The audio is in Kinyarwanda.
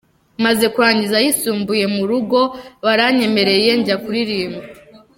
Maze kurangiza ayisumbuye mu rugo baranyemereye njya kuririmba.